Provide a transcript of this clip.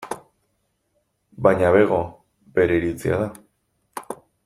Baina bego, bere iritzia da.